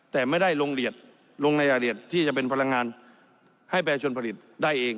แต่ไม่ได้ลงในเหรียญที่จะเป็นพลังงานให้ประชาชนผลิตได้เอง